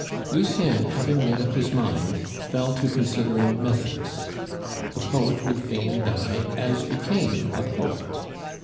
Lucien having made up his mind fell to considering methods. The poet would fain die as became a poet.